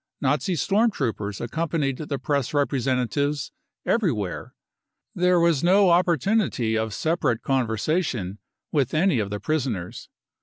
Nazi storm troopers accompanied the press representatives every where ; there was no opportunity of separate conversation THE CONCENTRATION CAMPS with any of the prisoners.